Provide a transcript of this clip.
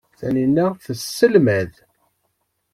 Taninna tesselmad.